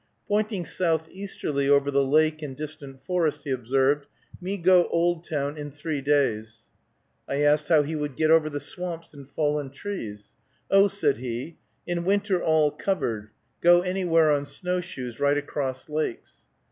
Pointing southeasterly over the lake and distant forest, he observed, "Me go Oldtown in three days." I asked how he would get over the swamps and fallen trees. "Oh," said he, "in winter all covered, go anywhere on snowshoes, right across lakes."